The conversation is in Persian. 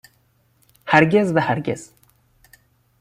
هرگز و هرگز